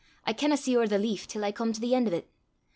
I canna see ower the leaf till I come to the en' o' 't.